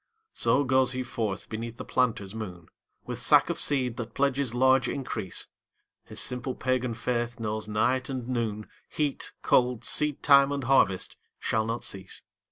So goes he forth beneath the planter's moon With sack of seed that pledges large increase, His simple pagan faith knows night and noon, Heat, cold, seedtime and harvest shall not cease.